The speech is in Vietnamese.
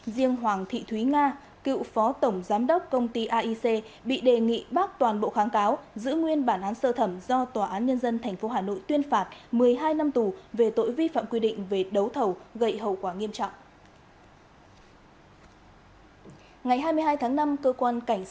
riêng hoàng thị thúy nga cựu phó tổng giám đốc công ty aic bị đề nghị bác toàn bộ kháng cáo giữ nguyên bản án sơ thẩm do tòa án nhân dân tp hà nội tuyên phạt một mươi hai năm tù về tội vi phạm quy định về đấu thầu gây hậu quả nghiêm trọng